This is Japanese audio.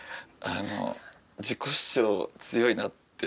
自己主張強いなって。